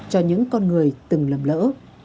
cho những con người từng lầm lỡ